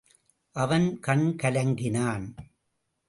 அவன் கண் கலங்கினான்.